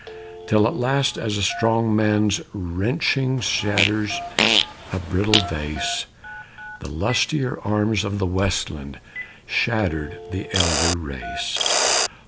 Till at last as a strong man's wrenching Shatters a brittle vase, The lustier arms of the Westland Shattered the elder race.